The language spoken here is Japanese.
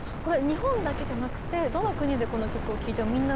日本だけじゃなくてどの国でこの曲を聴いてもみんな懐かしいってなる？